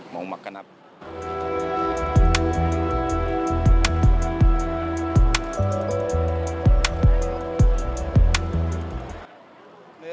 mau makan apa